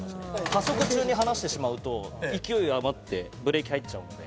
加速中に離してしまうと、勢い余ってブレーキ入っちゃうんで。